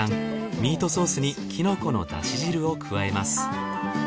ミートソースにキノコの出汁汁を加えます。